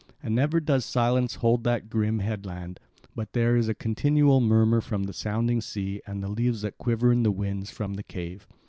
And never does silence hold that grim headland, but there is a continual murmur from the sounding sea and the leaves that quiver in the winds from the cave.